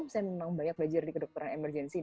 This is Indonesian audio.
saya memang banyak belajar di kedokteran emergensi